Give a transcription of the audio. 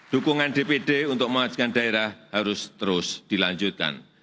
dukungan dpd untuk mengajukan daerah harus terus dilanjutkan